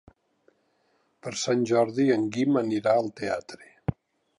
Per Sant Jordi en Guim anirà al teatre.